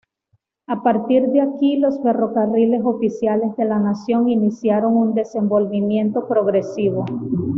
A partir de aquí los ferrocarriles oficiales de la Nación iniciaron un desenvolvimiento progresivo.